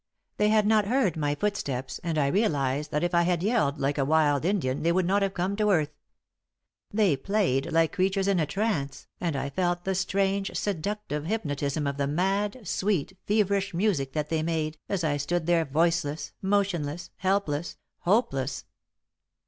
They had not heard my footsteps, and I realized that if I had yelled like a wild Indian they would not have come to earth. They played like creatures in a trance, and I felt the strange, seductive hypnotism of the mad, sweet, feverish music that they made, as I stood there voiceless, motionless, helpless, hopeless.